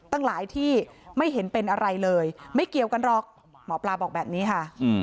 ตั้งหลายที่ไม่เห็นเป็นอะไรเลยไม่เกี่ยวกันหรอกหมอปลาบอกแบบนี้ค่ะ